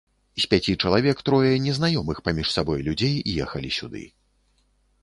З пяці чалавек трое незнаёмых паміж сабой людзей ехалі сюды.